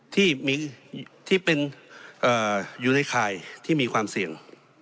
ที่เป็นอยู่ในข่ายที่มีความเสี่ยง